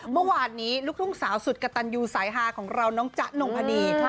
เมื่อวานนี้ลูกทุ่งสาวสุดกระตันยูสายฮาของเราน้องจ๊ะนงพนี